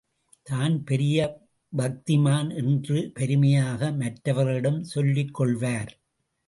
தான் பெரிய பக்திமான் என்று பெருமையாக மற்றவர்களிடம் சொல்லிக்கொள்வார்.